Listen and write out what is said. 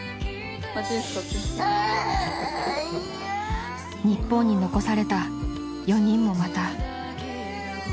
［日本に残された４人もまた］